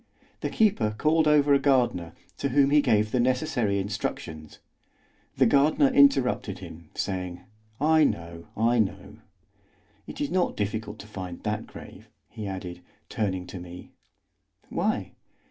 The keeper called over a gardener, to whom he gave the necessary instructions; the gardener interrupted him, saying: "I know, I know.—It is not difficult to find that grave," he added, turning to me. "Why?"